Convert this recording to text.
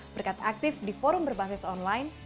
berkat aktif di forum berbasis online